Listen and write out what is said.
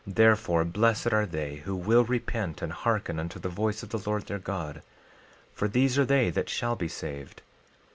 12:23 Therefore, blessed are they who will repent and hearken unto the voice of the Lord their God; for these are they that shall be saved.